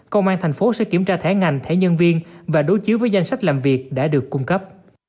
công an thành phố sẽ kiểm tra thẻ ngành thẻ nhân viên và đối chiếu với danh sách làm việc đã được cung cấp